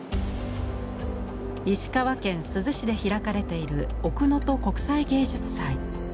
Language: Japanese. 石川県珠洲市で開かれている奥能登国際芸術祭。